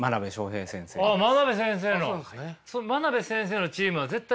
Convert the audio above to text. あっ真鍋先生の。